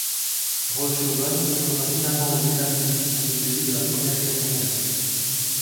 Rolshoven retourna finalement aux États-Unis au début de la Première Guerre mondiale.